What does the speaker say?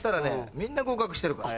みんな合格してるから。